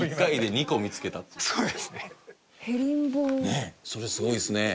ねえそれすごいですね。